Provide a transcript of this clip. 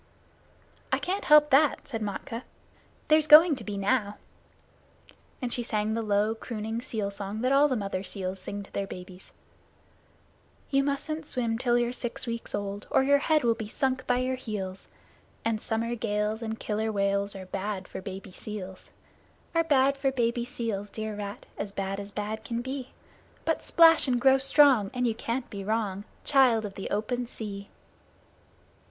"I can't help that," said Matkah; "there's going to be now." And she sang the low, crooning seal song that all the mother seals sing to their babies: You mustn't swim till you're six weeks old, Or your head will be sunk by your heels; And summer gales and Killer Whales Are bad for baby seals. Are bad for baby seals, dear rat, As bad as bad can be; But splash and grow strong, And you can't be wrong. Child of the Open Sea!